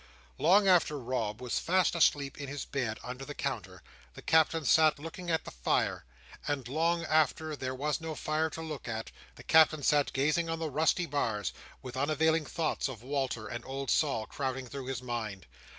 Long after Rob was fast asleep in his bed under the counter, the Captain sat looking at the fire; and long after there was no fire to look at, the Captain sat gazing on the rusty bars, with unavailing thoughts of Walter and old Sol crowding through his mind.